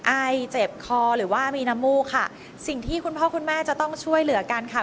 ไอเจ็บคอหรือว่ามีน้ำมูกค่ะสิ่งที่คุณพ่อคุณแม่จะต้องช่วยเหลือกันค่ะ